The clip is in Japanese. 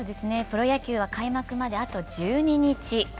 プロ野球は開幕まであと１２日。